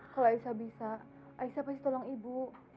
kalau aisah bisa aisyah pasti tolong ibu